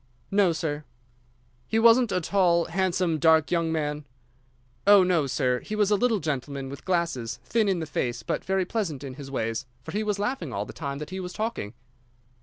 "No, sir." "He wasn't a tall, handsome, dark young man?" "Oh, no, sir. He was a little gentleman, with glasses, thin in the face, but very pleasant in his ways, for he was laughing all the time that he was talking."